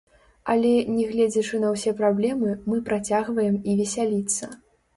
Але, нягледзячы на ўсе праблемы, мы працягваем і весяліцца.